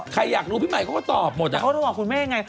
ใครอยากรู้พี่ใหม่เขาก็ตอบหมดอ่ะเขาโทรบอกคุณแม่ยังไง